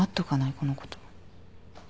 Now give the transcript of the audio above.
このこと。